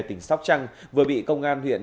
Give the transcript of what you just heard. tỉnh sóc trăng vừa bị công an huyện